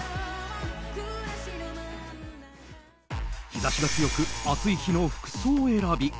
日差しが強く暑い日の服装選び。